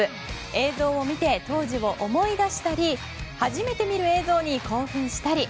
映像を見て、当時を思い出したり初めて見る映像に興奮したり。